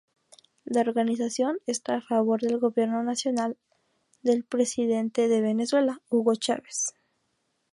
La organización está a favor del gobierno nacional del presidente de Venezuela, Hugo Chávez.